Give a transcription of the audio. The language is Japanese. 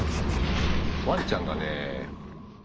ワンちゃんがねえ。